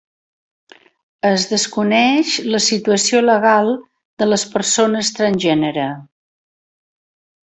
Es desconeix la situació legal de les persones transgènere.